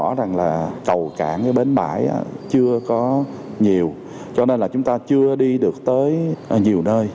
chúng ta đang là cầu cản cái bến bãi chưa có nhiều cho nên là chúng ta chưa đi được tới nhiều nơi